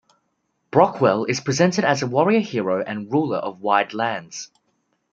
Brochwel is presented as a warrior hero and ruler of wide lands.